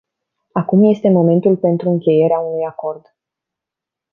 Acum este momentul pentru încheierea unui acord.